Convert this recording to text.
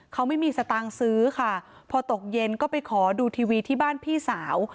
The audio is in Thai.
เขาไม่มีสตางค์ซื้อค่ะพอตกเย็นก็ไปขอดูทีวีที่บ้านพี่สาว